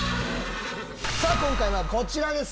今回はこちらです！